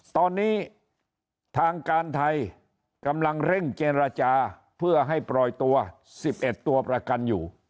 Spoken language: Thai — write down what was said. ตอนนี้ทางการไทยกำลังเร่งเจรจาเพื่อให้ปล่อยตัว๑๑ตัวประกันอยู่